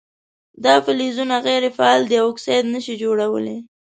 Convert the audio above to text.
دا فلزونه غیر فعال دي او اکساید نه شي جوړولی.